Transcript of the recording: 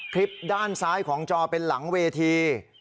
คลิปด้านซ้ายของจอเป็นหลังเวที